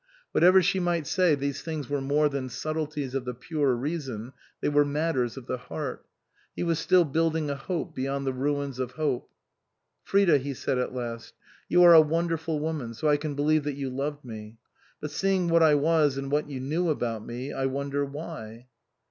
Whatever she might say, these things were more than subtleties of the pure reason, they were matters of the heart. He was still building a hope beyond the ruins of hope. " Frida," he said at last, " you are a wonderful woman, so I can believe that you loved me. But seeing what I was and what you knew about me, I wonder why